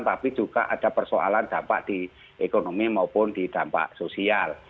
tapi juga ada persoalan dampak di ekonomi maupun di dampak sosial